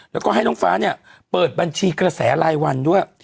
แล้วก็ให้น้องฟ้าเนี่ยเปิดบัญชีกระแสรายวันด้วย